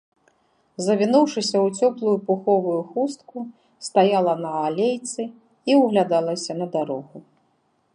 Завінуўшыся ў цёплую пуховую хустку, стаяла на алейцы і ўглядалася на дарогу.